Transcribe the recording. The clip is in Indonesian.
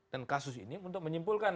dan kasus ini untuk menyimpulkan